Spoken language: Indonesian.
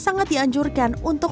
sangat dianjurkan untuk